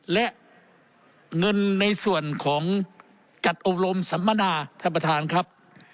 และเงินในส่วนของจัดอบรมสัมมนาท่านประธานครับ